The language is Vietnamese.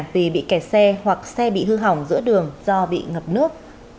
vì bị kẹt xe hoặc xe bị hư hỏng giữa đường do bị ngập nước